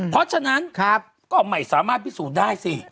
เพราะฉะนั้นก็ไม่สามารถพิสูจน์ได้สิ